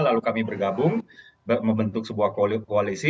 lalu kami bergabung membentuk sebuah koalisi